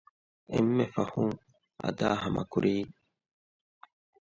އެންމެފަހުން އަދާހަމަކުރީ